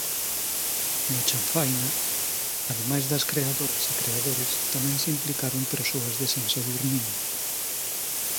No Chanfaina, ademais das creadoras e creadores, tamén se implicaron persoas de San Sadurniño.